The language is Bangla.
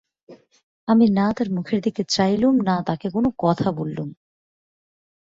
আমি না তার মুখের দিকে চাইলুম, না তাকে কোনো কথা বললুম।